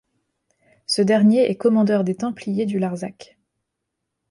Ce dernier est commandeur des Templiers du Larzac.